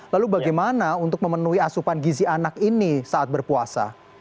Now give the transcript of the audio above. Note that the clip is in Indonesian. lalu bagaimana untuk memenuhi asupan gizi anak ini saat berpuasa